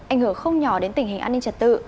ảnh hưởng không nhỏ đến tình hình an ninh trật tự